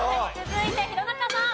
続いて弘中さん。